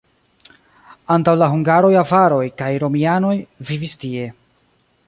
Antaŭ la hungaroj avaroj kaj romianoj vivis tie.